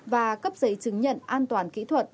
và cấp giấy chứng nhận an toàn kỹ thuật